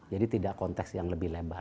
jadi tidak konteks yang lebih lebar